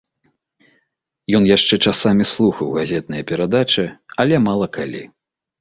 Ён яшчэ часамі слухаў газетныя перадачы, але мала калі.